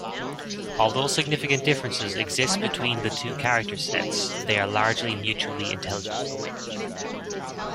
Although significant differences exist between the two character sets, they are largely mutually intelligible.